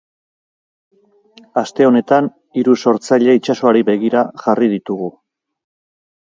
Aste honetan hiru sortzaile itsasoari begira jarri ditugu.